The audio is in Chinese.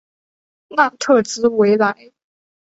纳特兹维莱。